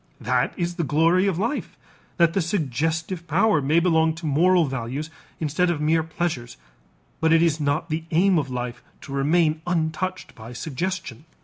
That is the glory of life that the suggestive power may belong to moral values instead of mere pleasures, but it is not the aim of life to remain untouched by suggestion.